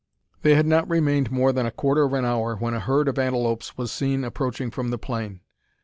They had not remained more than a quarter of an hour when a herd of antelopes was seen approaching from the plain.